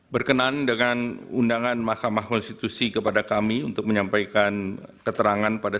berkenan dengan undangan mahkamah konstitusi kepada kami untuk menyampaikan keterangan pada